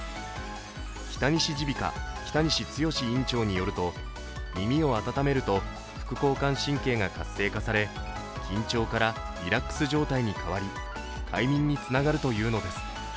きたにし耳鼻咽喉科、北西剛院長によると耳を温めると副交感神経が活性化され緊張からリラックス状態に変わり快眠につながるというのです。